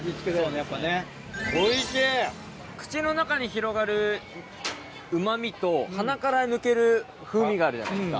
口の中に広がるうま味と鼻から抜ける風味があるじゃないですか。